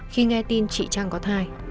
khi nghe tin chị trang có thai